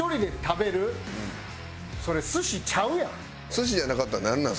寿司じゃなかったらなんなん？